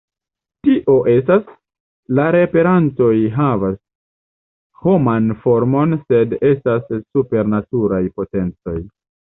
Tio estas, la reaperantoj havas homan formon sed estas supernaturaj potencoj.